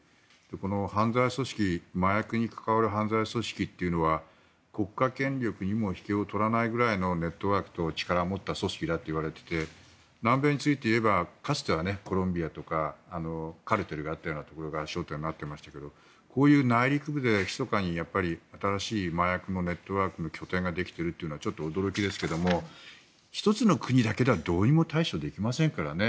この犯罪組織麻薬に関わる犯罪組織というのは国家権力にも引けを取らないぐらいのネットワークと力を持った組織だといわれていて南米についていえばかつてはコロンビアとかカルテルがあったようなところが焦点になっていますがこういう内陸部でひそかに新しい麻薬のネットワークの拠点ができているというのはちょっと驚きですけれど１つの国だけではどうにも対処できませんからね。